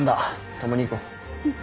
共に行こう。